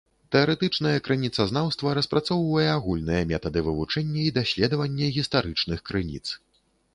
Тэарэтычнае крыніцазнаўства распрацоўвае агульныя метады вывучэння і даследавання гістарычных крыніц.